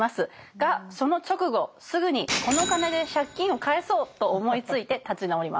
がその直後すぐに「この金で借金を返そう！」と思いついて立ち直ります。